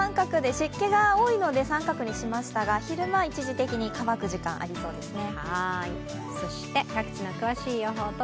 湿気が多いので△にしましたが昼間、一時的に乾く時間ありそうですね。